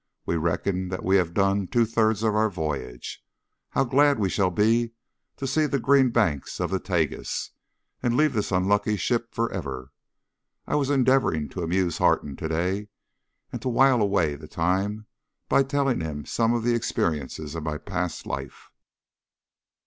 We reckon that we have done two thirds of our voyage. How glad we shall be to see the green banks of the Tagus, and leave this unlucky ship for ever! I was endeavouring to amuse Harton to day and to while away the time by telling him some of the experiences of my past life.